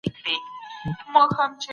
د فولکلور کيسې ډېرې پېچلې وې.